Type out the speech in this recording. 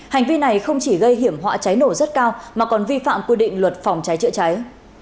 hành vi này không chỉ gây hiểm họa cháy nổ rất cao mà còn vi phạm quy định luật phòng cháy chữa cháy